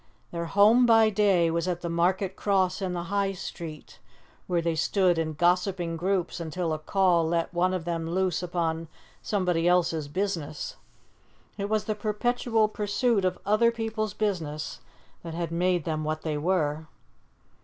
Their home by day was at the Market Cross in the High Street, where they stood in gossiping groups until a call let one of them loose upon somebody else's business. It was the perpetual pursuit of other people's business that had made them what they were.